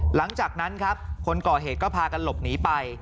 หลังจากนั้นครับคนก่อเหตุก็พากันหลบหนีไป